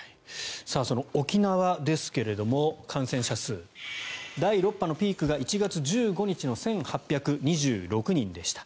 沖縄ですが感染者数、第６波のピークが１月１５日の１８２６人でした。